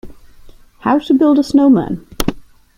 How to build a snowman.